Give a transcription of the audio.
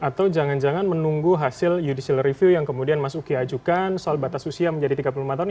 atau jangan jangan menunggu hasil judicial review yang kemudian mas uki ajukan soal batas usia menjadi tiga puluh lima tahun